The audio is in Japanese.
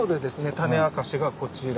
種明かしがこちら。